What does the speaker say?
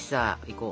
こう。